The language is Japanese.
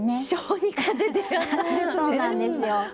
そうなんですよ。